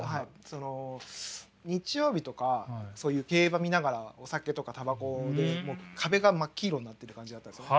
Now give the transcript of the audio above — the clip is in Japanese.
その日曜日とか競馬見ながらお酒とかタバコでもう壁が真っ黄色になってる感じだったんですよね。